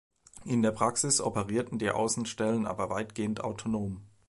In der Praxis operierten die Außenstellen aber weitgehend autonom.